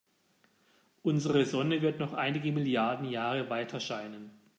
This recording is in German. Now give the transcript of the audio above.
Unsere Sonne wird noch einige Milliarden Jahre weiterscheinen.